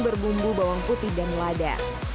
berbumbu bawang putih dan lada